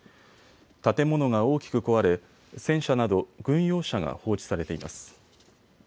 建物が大きく壊れ戦車など軍用車が放置されています。